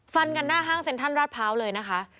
ฟันกันหน้าห้างเซ็นทรัลราดพร้าวเลยนะคะ